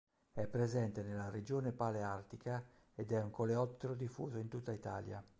È presente nella regione paleartica ed è un coleottero diffuso in tutta Italia.